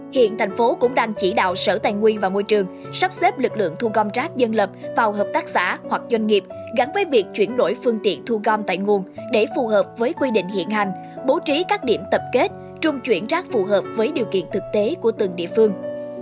hiện thành phố cũng đang chỉ đạo sở tài nguyên và môi trường sắp xếp lực lượng thu gom rác dân lập vào hợp tác xã hoặc doanh nghiệp gắn với việc chuyển đổi phương tiện thu gom tại nguồn để phù hợp với quy định hiện hành bố trí các điểm tập kết trung chuyển rác phù hợp với điều kiện thực tế của từng địa phương